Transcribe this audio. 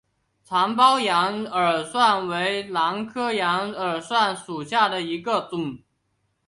长苞羊耳蒜为兰科羊耳蒜属下的一个种。